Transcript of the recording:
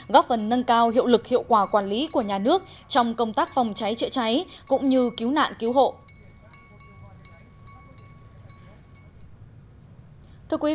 góp phần nâng cao hiệu lực hiệu quả quản lý của nhà nước trong công tác phòng cháy chữa cháy cũng như cứu nạn cứu hộ